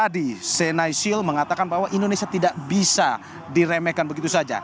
dan naisil mengatakan bahwa indonesia tidak bisa diremehkan begitu saja